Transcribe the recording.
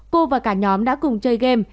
cô và cả nhóm đã cùng chơi game